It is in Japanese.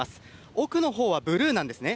奥のほうはブルーなんですね。